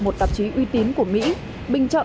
một tạp chí uy tín của mỹ bình chọn